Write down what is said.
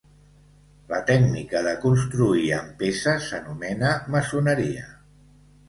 La tècnica de construir amb peces s'anomena maçoneria.